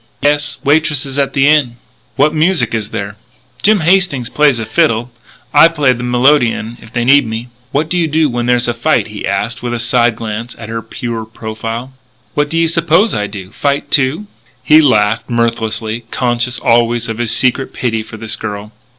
"Yes; waitresses at the Inn." "What music is there?" "Jim Hastings plays a fiddle. I play the melodeon if they need me." "What do you do when there's a fight?" he asked, with a side glance at her pure profile. "What do you suppose I do? Fight, too?" He laughed mirthlessly conscious always of his secret pity for this girl.